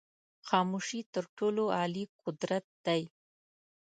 خاموشی تر ټولو عالي قدرت دی.